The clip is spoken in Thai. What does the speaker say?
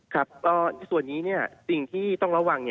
ครับก็ในส่วนนี้สิ่งที่ต้องระวัง